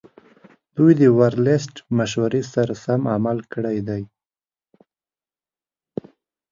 دوی د ورلسټ مشورې سره سم عمل کړی وي.